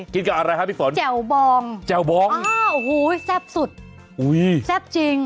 กินกับอะไรฮะพี่ฝนแจ่วบองโอ้โหแซ่บสุดแซ่บจริง